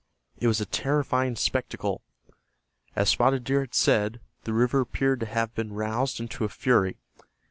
It was a terrifying spectacle. As Spotted Deer had said, the river appeared to have been roused into a fury.